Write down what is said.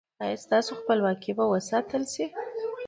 ایا ستاسو خپلواکي به وساتل شي؟